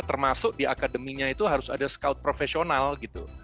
termasuk di akademinya itu harus ada scout profesional gitu